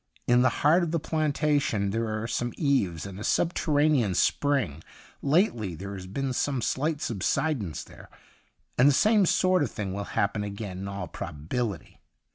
In the heart of the plantation there are some eaves and a subterranean spring ; lately there has been some slight subsidence there, and the same sort of thing will happen again in all probabilit}'.